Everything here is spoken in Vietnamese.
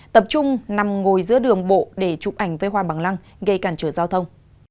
tập trung nằm ngồi giữa đường bộ để chụp ảnh với hoa bằng lăng gây cản trở giao thông